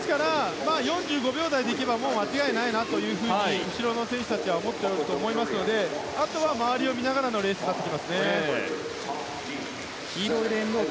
４５秒台で行けば間違いないと後ろの選手たちは思っていると思いますのであとは周りを見ながらのレースになってきますね。